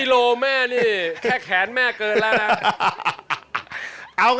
โลแม่นี่แค่แขนแม่เกินแล้วนะ